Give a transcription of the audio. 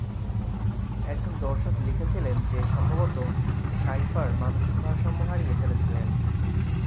একজন দর্শক লিখেছিলেন যে, সম্ভবত শাইফার মানসিক ভারসাম্য হারিয়ে ফেলেছিলেন।